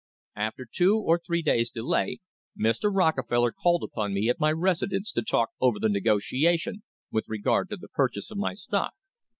"After two or three days' delay Mr. Rockefeller called upon me at my residence to talk over the negotiation with regard to the purchase of my stock.